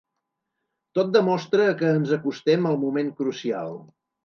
Tot demostra que ens acostem al moment crucial.